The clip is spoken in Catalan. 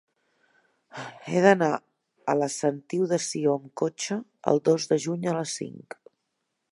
He d'anar a la Sentiu de Sió amb cotxe el dos de juny a les cinc.